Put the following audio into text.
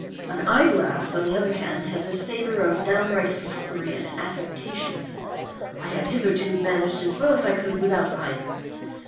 An eyeglass, on the other hand, has a savor of downright foppery and affectation. I have hitherto managed as well as I could without either.